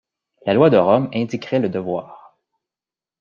La loi de Rome indiquerait le devoir.